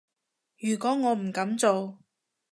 如果我唔噉做